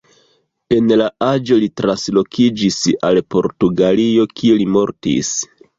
En la aĝo li translokiĝis al Portugalio, kie li mortis.